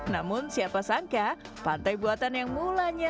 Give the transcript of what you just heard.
namun siapa sangka pantai buatan yang mulanya